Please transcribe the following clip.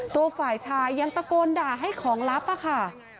ตัวฝ่ายชายยังตะโกนด่าให้ของลับค่ะ